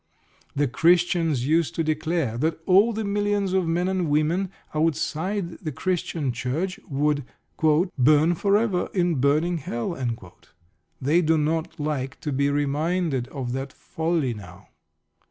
The Christians used to declare that all the millions of men and women outside the Christian Church would "burn for ever in burning Hell." They do not like to be reminded of that folly now.